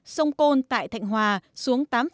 sông côn tại thạnh hòa xuống tám bốn m